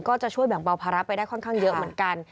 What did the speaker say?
ก็จะช่วยแบ่งเบาภาระไปได้ค่อนข้างเยอะเหมือนกัน